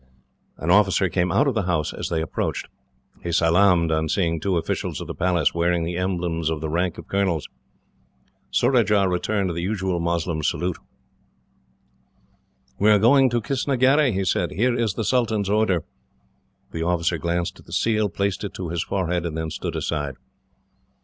An officer came out of the house as they approached. He salaamed on seeing two officials of the Palace, wearing the emblems of the rank of colonels. Surajah returned the usual Moslem salutation. "We are going to Kistnagherry," he said. "Here is the sultan's order." The officer glanced at the seal, placed it to his forehead, and then stood aside.